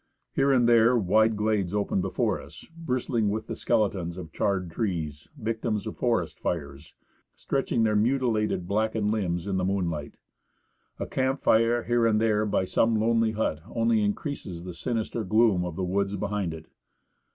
Here and there wide glades open before us, bristling with the skele tons of charred trees, victims of forest fires, stretching their mutilated, blackened limbs in the moonlight. A camp fire here and there by some lonely hut only increases the sinister gloom of the woods behind it.